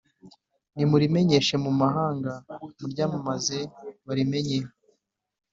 Nimurimenyeshe mu mahanga muryamamaze barimenye